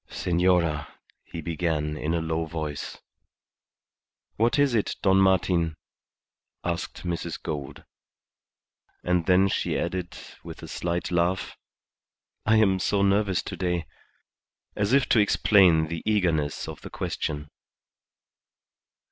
"Senora," he began, in a low voice. "What is it, Don Martin?" asked Mrs. Gould. And then she added, with a slight laugh, "I am so nervous to day," as if to explain the eagerness of the question.